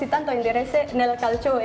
dia bermain di sydney kemudian di india